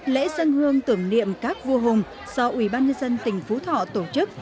lễ dân hương tưởng niệm các vua hùng do ủy ban nhân dân tỉnh phú thọ tổ chức